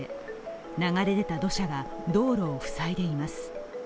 流れ出た土砂が道路を塞いでいます。